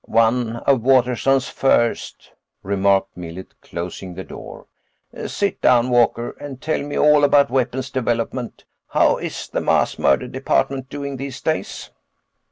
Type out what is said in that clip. "One of Waterson's first," remarked Millet, closing the door. "Sit down, Walker, and tell me all about Weapons Development. How is the mass murder department doing these days?"